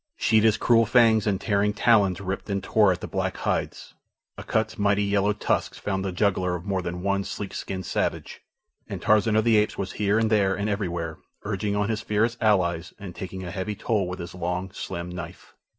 Sheeta's cruel fangs and tearing talons ripped and tore at the black hides. Akut's mighty yellow tusks found the jugular of more than one sleek skinned savage, and Tarzan of the Apes was here and there and everywhere, urging on his fierce allies and taking a heavy toll with his long, slim knife.